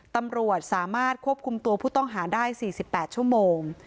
ตำรวจสามารถควบคุมตัวผู้ต้องหาได้๔๘ชั่วโมง